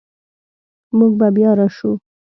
موږ به بیا راشو